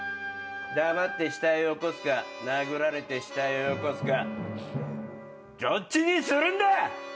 黙って死体をよこすか殴られて死体をよこすかどっちにするんだ！